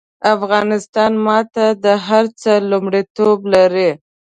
افغانستان ماته د هر څه لومړيتوب لري